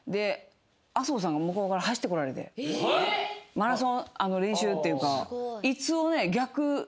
マラソン練習っていうか。